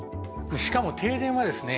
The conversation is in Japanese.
しかも停電はですね